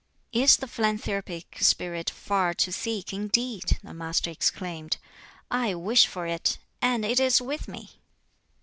"Is the philanthropic spirit far to seek, indeed?" the Master exclaimed; "I wish for it, and it is with me!"